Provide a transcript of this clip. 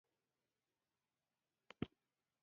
له نظام سره یې جوړ جاړی کړی.